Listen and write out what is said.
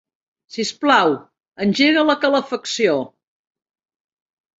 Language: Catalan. Sisplau, engega la calefacció.